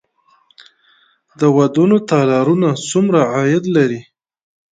د ودونو تالارونه څومره عاید لري؟